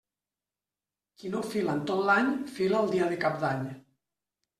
Qui no fila en tot l'any, fila el dia de Cap d'Any.